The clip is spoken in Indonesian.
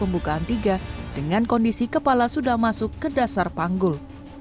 pembalasan sudah terjadi di panggul dan pembukaan tiga dengan kondisi kepala sudah masuk ke dasar panggul